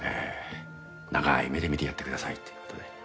長い目で見てやってくださいっていうことで。